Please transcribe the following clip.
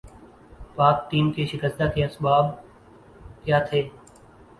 پاک ٹیم کے شکستہ کے اسباب کیا تھے